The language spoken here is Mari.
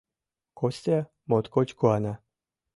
Костя моткоч куана.